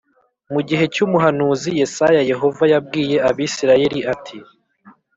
Mu gihe cy’ umuhanuzi Yesaya Yehova yabwiye Abisirayeli ati